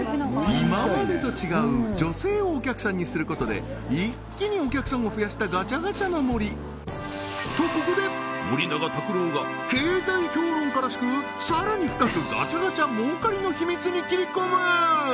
今までと違う女性をお客さんにすることで一気にお客さんを増やしたガチャガチャの森とここで森永卓郎が経済評論家らしくさらに深くガチャガチャ儲かりの秘密に切り込む！